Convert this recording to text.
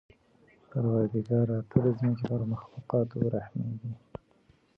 پروردګاره! ته د ځمکې په مخلوقاتو ورحمېږه.